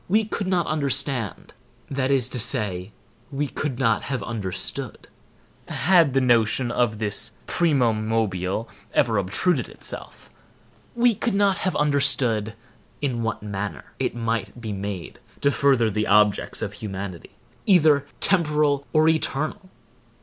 We could not understand, that is to say, we could not have understood, had the notion of this primum mobile ever obtruded itself;—we could not have understood in what manner it might be made to further the objects of humanity, either temporal or eternal.